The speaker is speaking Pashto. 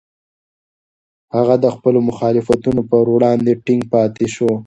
هغه د خپلو مخالفتونو په وړاندې ټینګ پاتې شو.